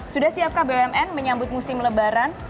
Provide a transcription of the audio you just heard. sudah siapkah bumn menyambut musim lebaran